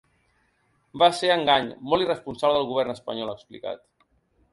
Va ser engany molt irresponsable del govern espanyol, ha explicat.